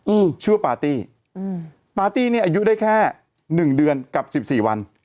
อืมชื่อปาร์ตี้ปาร์ตี้เนี่ยอายุได้แค่๑เดือนกลับ๑๔วัน